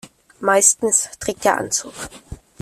Meistens trägt er Anzug.